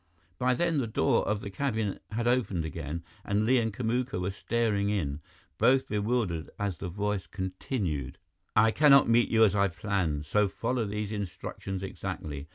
By then, the door of the cabin had opened again, and Li and Kamuka were staring in, both bewildered as the voice continued: "I cannot meet you as I planned, so follow these instructions exactly.